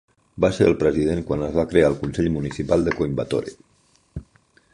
Va ser el president quan es va crear el consell municipal de Coimbatore.